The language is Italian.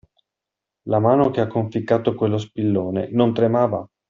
La mano che ha conficcato quello spillone non tremava!